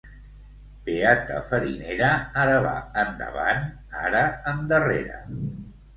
Beata farinera, ara va endavant, ara endarrere.